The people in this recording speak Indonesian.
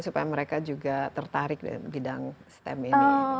supaya mereka juga tertarik dengan bidang stem ini